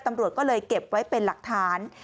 ตำรวจก็เลยเก็บไว้เป็นหลักฐาน